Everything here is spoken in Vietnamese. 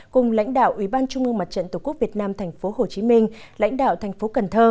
cùng lãnh đạo ủy ban trung mương mặt trận tổ quốc việt nam tp hcm lãnh đạo tp cn